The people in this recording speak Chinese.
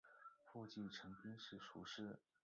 父亲陈彬是塾师。